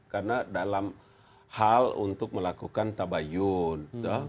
karena dalam hal untuk melakukan tabayun